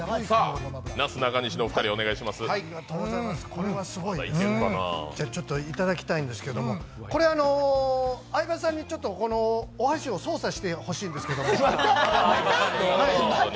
これはすごいね、ちょっといただきたいんですけど、これは相葉さんにお箸を操作してほしいんですけども。